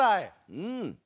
うん！